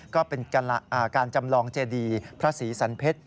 ก็เป็นการจำลองเจดีพระศรีสันเพชร